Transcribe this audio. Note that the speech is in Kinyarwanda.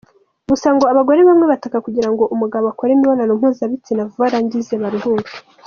Gusa ngo abagore bamwe bataka kugira ngo umugabo akore imibonano mpuzabitsina vuba arangize baruhuke.